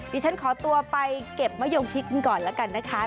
ดิฉันขอตัวไปเก็บมะยงชิดกันก่อนแล้วกันนะคะ